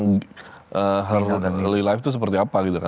kehidupan dia itu seperti apa